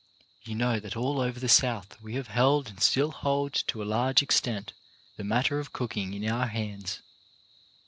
You know that all over the South we have held — and still hold to a large extent — the matter of cooking in our hands.